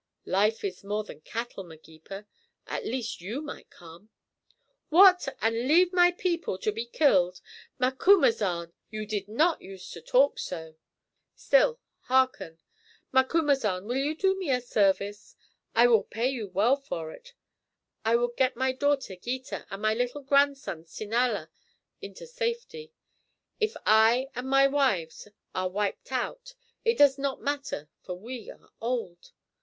'" "Life is more than cattle, Magepa. At least you might come." "What! And leave my people to be killed? Macumazahn, you did not use to talk so. Still, hearken. Macumazahn, will you do me a service? I will pay you well for it. I would get my daughter Gita and my little grandson Sinala into safety. If I and my wives are wiped out it does not matter, for we are old.